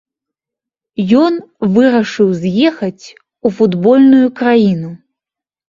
Ён вырашыў з'ехаць у футбольную краіну.